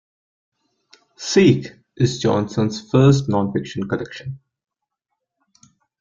"Seek" is Johnson's first nonfiction collection.